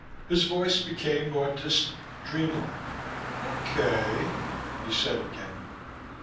His voice became more distant, dreamlike. "Okay," he said again.